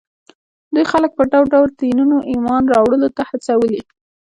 دوی خلک پر ډول ډول دینونو ایمان راوړلو ته هڅولي